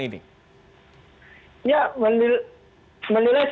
apa yang harus dilakukan oleh pemerintah